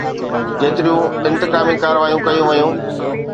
جيتريون انتقامي ڪارروايون ڪيون ويون